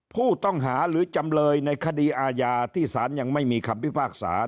ผู้ต้องหาหรือจำเลยในคดีอาญาที่ศาลยังไม่มีคำพิพากษา